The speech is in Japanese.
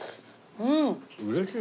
うん。